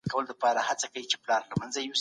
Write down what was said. تاسو تل په زړورتيا رښتيا واياست.